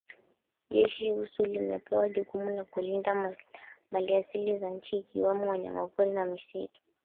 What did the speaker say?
Jeshi Usu limepewa jukumu la kulinda maliasili za nchi ikiwemo wanyama pori na misitu